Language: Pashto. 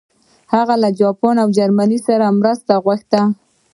هغه له جاپان او جرمني مرسته وغوښته.